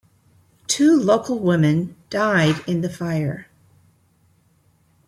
Two local women died in the fire.